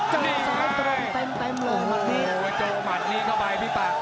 โจมหมาตนี้เข้าไปพี่ปั๊ก